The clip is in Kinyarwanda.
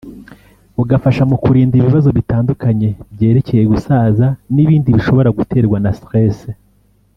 bugafasha mu kurinda ibibazo bitandukanye byerekeye gusaza n’ibindi bishobora guterwa na stress